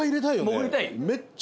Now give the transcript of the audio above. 潜りたい？